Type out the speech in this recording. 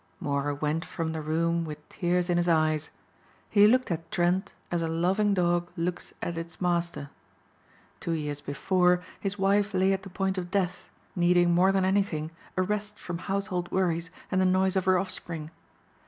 Moor went from the room with tears in his eyes. He looked at Trent as a loving dog looks at its master. Two years before his wife lay at the point of death, needing, more than anything, a rest from household worries and the noise of her offspring.